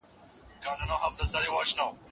پښتو ژبه زموږ د تېرو او راتلونکو نسلونو ترمنځ پله ده